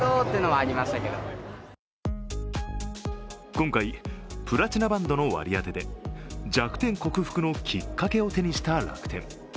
今回プラチナバンドの割り当てで弱点克服のきっかけを手にした楽天。